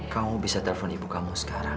kamu bisa telepon ibu kamu sekarang